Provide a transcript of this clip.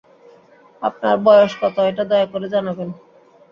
আপনার বয়স কত, এটা দয়া করে জানাবেন।